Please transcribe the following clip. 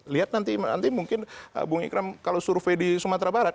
lihat nanti mungkin bung ikram kalau survei di sumatera barat